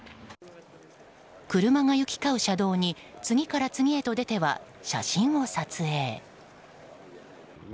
車が行き交う車道に次から次へと出ては写真を撮影。